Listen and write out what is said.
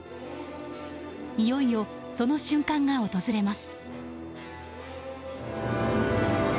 いよいよ、その瞬間が訪れます。